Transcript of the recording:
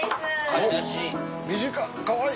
かわいらしい！